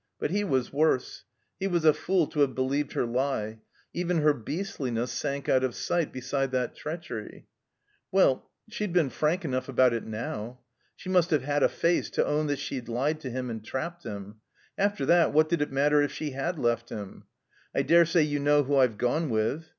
But he was worse. He was a fool to have believed her lie. Even her beastliness sank out of sight beside that treachery. Well — she'd been frank enough about it now. She must have had a face, to own that she'd lied to him and trapped him! After that, what did it matter if she had left him? "I dare say you know who I've gone with."